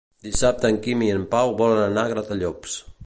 Dissabte en Quim i en Pau volen anar a Gratallops.